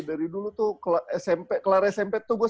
dari dulu tuh kelar smp tuh gue satu ratus delapan puluh delapan bro